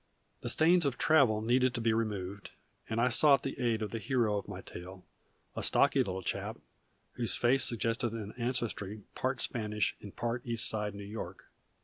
The stains of travel needed to be removed, and I sought the aid of the hero of my tale, a stocky little chap, whose face suggested an ancestry part Spanish and part East Side New York.